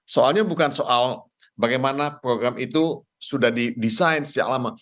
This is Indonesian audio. soalnya bukan soal bagaimana program itu sudah didesain sejak lama